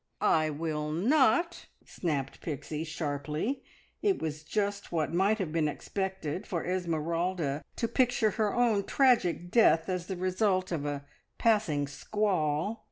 "I will not!" snapped Pixie sharply. It was just what might have been expected for Esmeralda to picture her own tragic death as the result of a passing squall.